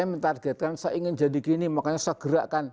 itu target kan saya ingin jadi gini makanya saya gerakkan